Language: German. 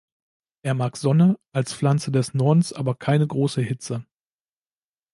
Er mag Sonne, als Pflanze des Nordens aber keine große Hitze.